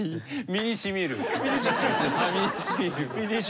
身にしみるはい。